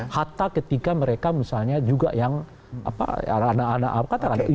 hatta ketika mereka misalnya juga yang apa ada ada apa katakan